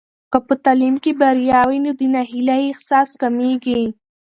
که په تعلیم کې بریا وي، نو د ناهیلۍ احساس کمېږي.